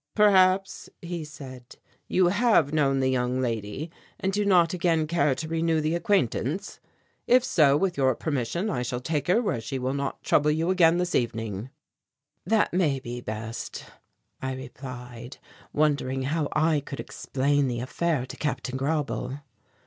"Perhaps," he said, "you have known the young lady and do not again care to renew the acquaintance? If so, with your permission, I shall take her where she will not trouble you again this evening." "That may be best," I replied, wondering how I could explain the affair to Captain Grauble.